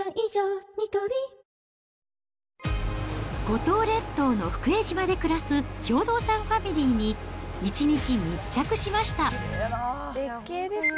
五島列島の福江島で暮らす兵働さんファミリーに、一日密着しました。